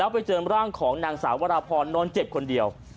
ไปเจอร่างของนางสาววราพรนอนเจ็บคนเดียว